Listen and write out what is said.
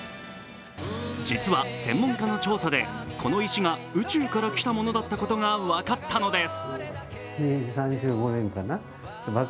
実は専門家の調査でこの石が宇宙から来たものだったことが分かったのです。